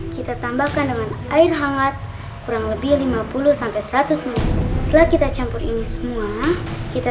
kita tambahkan dengan air hangat kurang lebih lima puluh sampai seratus setelah kita campur ini semua kita